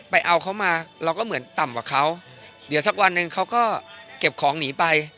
ไปเอาเขามาเราก็เหมือนต่ำกว่าเขาเดี๋ยวสักวันหนึ่งเขาก็เก็บของหนีไป